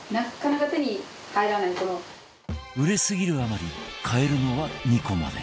売れすぎるあまり買えるのは２個まで